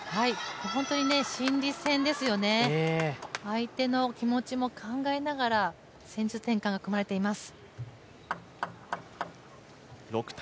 ホントに心理戦ですよね、相手の気持ちも考えながら戦術転換が組まれています。